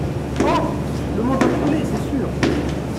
Oh ! le monde va crouler, c'est sûr.